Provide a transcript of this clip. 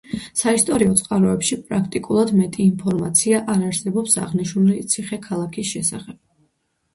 საისტორიო წყაროებში პრაქტიკულად მეტი ინფორმაცია არ არსებობს აღნიშნული ციხე ქალაქის შესახებ.